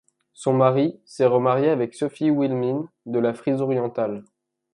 Son mari, s'est remarié avec Sophie Wilhelmine de la Frise orientale.